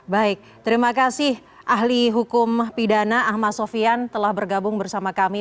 baik terima kasih ahli hukum pidana ahmad sofian telah bergabung bersama kami